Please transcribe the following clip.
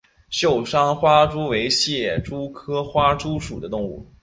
秀山花蛛为蟹蛛科花蛛属的动物。